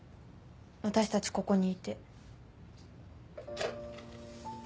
私たちここにいて。